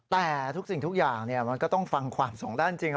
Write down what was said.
แต่ทุกสิ่งทุกอย่างมันก็ต้องฟังความสองด้านจริง